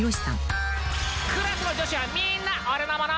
「クラスの女子はみーんな俺のもの！」